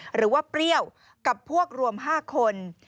หรือว่าเปรี้ยวกับพวกรวม๕คน